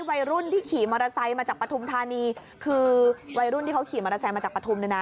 วัยรุ่นที่ขี่มารัสไซส์มาจากปฐุมธานีคือวัยรุ่นที่เขาขี่มารัสไซส์มาจากปฐุม